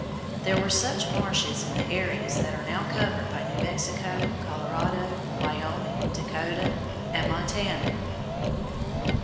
There were such marshes in the areas that are now covered by New Mexico, Colorado, Wyoming, Dakota, and Montana.